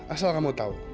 asal kamu tau